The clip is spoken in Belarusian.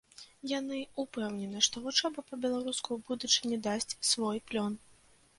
Яны ўпэўнены, што вучоба па-беларуску ў будучыні дасць свой плён.